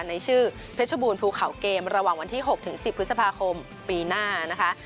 ในชื่อเพชรบูรภูเขาเกมระหว่างวันที่๖๑๐พฤษภาคมปีหน้านะคะ